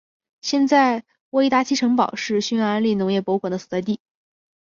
现在沃伊达奇城堡是匈牙利农业博物馆的所在地。